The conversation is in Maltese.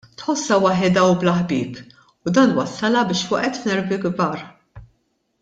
Tħossha waħedha u bla ħbieb u dan wassalha biex waqgħet f'nervi kbar.